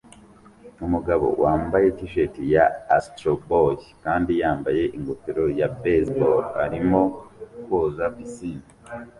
Umugabo wambaye t-shirt ya Astro Boy kandi yambaye ingofero ya baseball arimo koza pisine